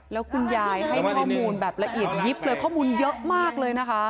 แล้วคุณยายให้ข้อมูลแบบละเอียดยิบเลยข้อมูลเยอะมากเลยนะคะ